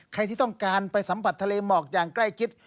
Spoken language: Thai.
ใครที่ต้องการไปสัมผัสทะเลหมอกอย่างใกล้ชิด